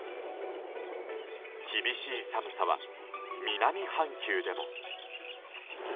厳しい寒さは南半球でも。